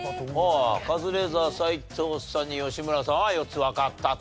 カズレーザー斎藤さんに吉村さんは４つわかったと。